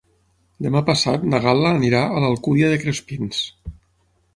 Demà passat na Gal·la anirà a l'Alcúdia de Crespins.